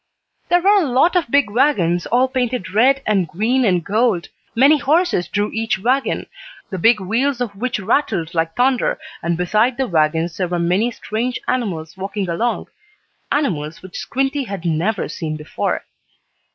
There were a lot of big wagons, all painted red and green and gold. Many horses drew each wagon, the big wheels of which rattled like thunder, and beside the wagons there were many strange animals walking along animals which Squinty had never seen before.